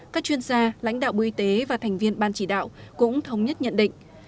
các chuyên gia lãnh đạo bộ y tế và thành viên ban chỉ đạo cũng thống nhất nhận định